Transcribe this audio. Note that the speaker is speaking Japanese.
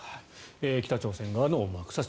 北朝鮮側の思惑。